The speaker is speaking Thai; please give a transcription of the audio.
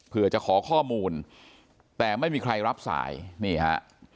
เพื่อจะขอข้อมูลแต่ไม่มีใครรับสายนี่ฮะ